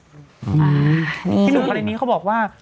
พี่ดุมใบละนี้เขาบอกว่า